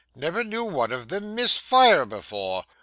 'Never knew one of them miss fire before.